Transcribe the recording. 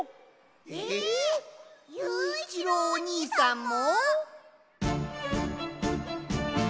えっゆういちろうおにいさんも！？